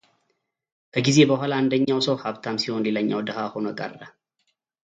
ከጊዜ በኋላ አንደኛው ሰው ሃብታም ሲሆን ሌላኛው ድሃ ሆኖ ቀረ።